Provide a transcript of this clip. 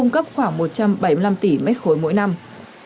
nga cung cấp khoảng một trăm bảy mươi năm tỷ m ba mỗi năm